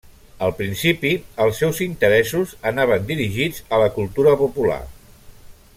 Al principi, els seus interessos anaven dirigits a la cultura popular.